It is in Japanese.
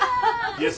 いや